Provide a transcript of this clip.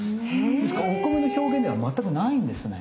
ですからお米の表現では全くないんですね。